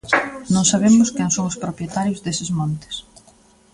Non sabemos quen son os propietarios deses montes.